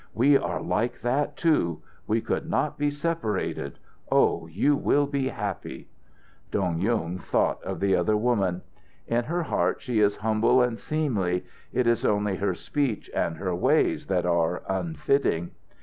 "We are like that, too. We could not be separated. Oh, you will be happy!" Dong Yung thought of the other woman. "In her heart she is humble and seemly. It is only her speech and her ways that are unfitting."